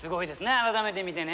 改めて見てね。